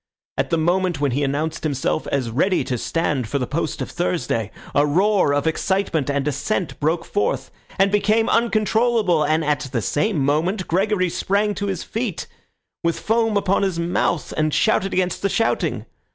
At the moment when he announced himself as ready to stand for the post of Thursday, a roar of excitement and assent broke forth, and became uncontrollable, and at the same moment Gregory sprang to his feet, with foam upon his mouth, and shouted against the shouting.